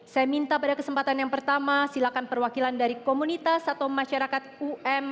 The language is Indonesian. saya minta pada kesempatan yang pertama silakan perwakilan dari komunitas atau masyarakat um